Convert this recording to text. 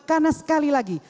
karena sekali lagi